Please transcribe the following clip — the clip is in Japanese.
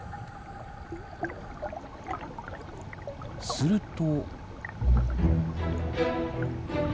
すると。